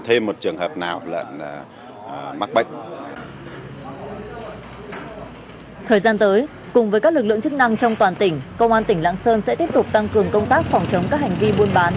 thời gian tới cùng với các lực lượng chức năng trong toàn tỉnh công an tỉnh lạng sơn sẽ tiếp tục tăng cường công tác phòng chống các hành vi buôn bán